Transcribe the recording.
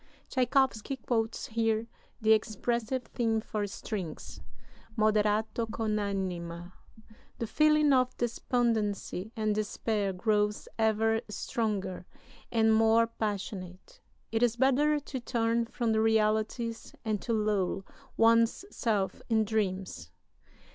[Tschaikowsky quotes here the expressive theme for strings, Moderato con anima.] The feeling of despondency and despair grows ever stronger and more passionate. It is better to turn from the realities and to lull one's self in dreams.